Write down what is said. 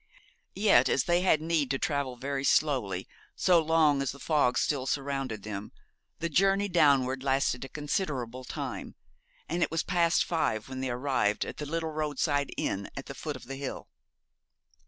Yet as they had need to travel very slowly so long as the fog still surrounded them, the journey downward lasted a considerable time, and it was past five when they arrived at the little roadside inn at the foot of the hill.